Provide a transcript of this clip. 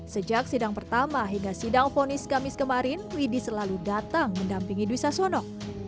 sejak sidang pertama hingga sidang fonis kamis kemarin widhi selalu datang mendampingi dwi sasono